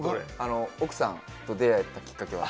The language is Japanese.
奥さんと出会えたきっかけは。